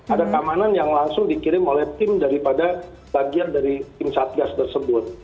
ada keamanan yang langsung dikirim oleh tim daripada bagian dari tim satgas tersebut